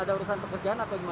ada urusan pekerjaan atau gimana